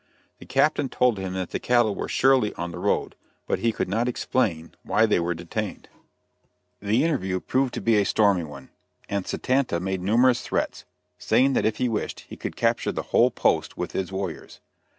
The Captain told him that the cattle were surely on the road, but he could not explain why they were detained. The interview proved to be a stormy one, and Satanta made numerous threats, saying that if he wished, he could capture the whole post with his warriors.